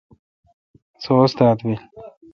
سو استاد بیل۔